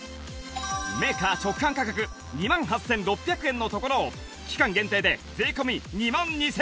メーカー直販価格２万８６００円のところを期間限定で税込２万２０００円